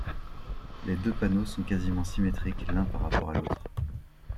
Les deux panneaux sont quasiment symétriques l'un par rapport à l'autre.